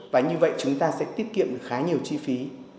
và như vậy chúng ta sẽ tiết kiệm được khá nhiều chi phí